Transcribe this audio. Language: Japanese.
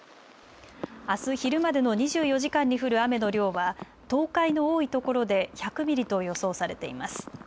あす昼までの２４時間に降る雨の量は東海の多いところで１００ミリと予想されています。